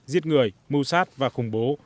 giết người mưu sát và khủng bố